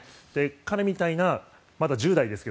彼みたいなまだ１０代ですが。